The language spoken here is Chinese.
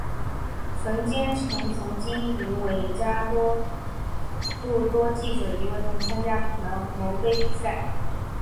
冯坚成曾经与伍家谦等多位记者一同参加传媒杯比赛。